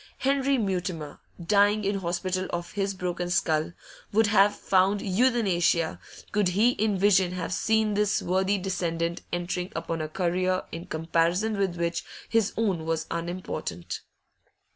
Henry Mutimer, dying in hospital of his broken skull, would have found euthanasia, could he in vision have seen this worthy descendant entering upon a career in comparison with which his own was unimportant.